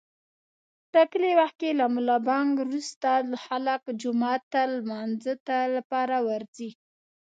په ټاکلي وخت له ملابانګ روسته خلک جومات ته د لمانځه لپاره ورځي.